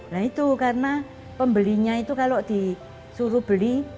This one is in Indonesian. nah itu karena pembelinya itu kalau disuruh beli